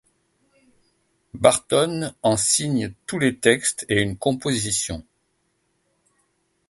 Bartone en signe tous les textes et une composition.